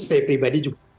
saya pribadi juga